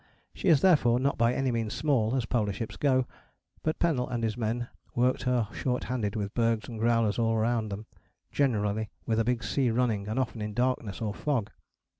She is therefore not by any means small as polar ships go, but Pennell and his men worked her short handed, with bergs and growlers all round them, generally with a big sea running and often in darkness or fog.